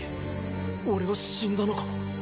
俺は死んだのか？